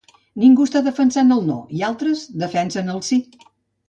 Ningú està defensant el No i altres defenen el Si.